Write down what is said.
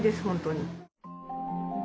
本当に。